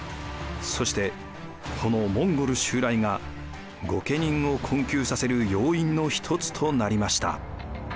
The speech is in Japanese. そしてこのモンゴル襲来が御家人を困窮させる要因の一つとなりました。